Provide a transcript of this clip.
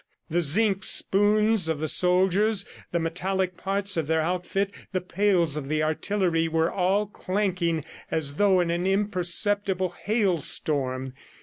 The zinc spoons of the soldiers, the metallic parts of their outfit, the pails of the artillery were all clanking as though in an imperceptible hailstorm.